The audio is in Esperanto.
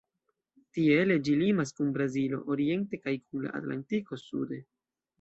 Tiele ĝi limas kun Brazilo oriente kaj kun la Atlantiko sude.